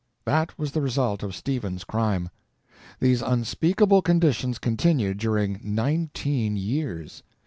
That was the result of Stephen's crime. These unspeakable conditions continued during nineteen years.